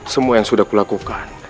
semua yang sudah kulakukan